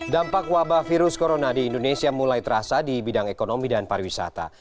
dampak wabah virus corona di indonesia mulai terasa di bidang ekonomi dan pariwisata